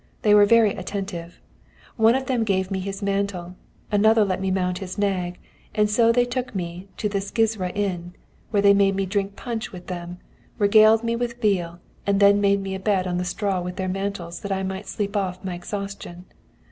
They were very attentive. One of them gave me his mantle, another let me mount his nag, and so they took me to the 'Szikra' inn, where they made me drink punch with them, regaled me with veal, and then made me a bed on the straw with their mantles that I might sleep off my exhaustion.